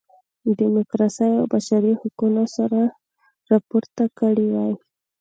ډیموکراسۍ او بشري حقونو سر راپورته کړی وای.